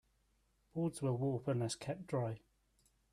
Boards will warp unless kept dry.